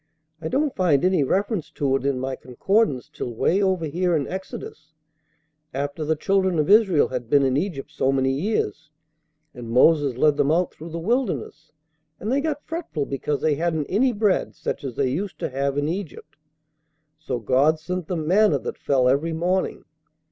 "I don't find any reference to it in my concordance till way over here in Exodus, after the children of Israel had been in Egypt so many years, and Moses led them out through the wilderness, and they got fretful because they hadn't any bread such as they used to have in Egypt, so God sent them manna that fell every morning.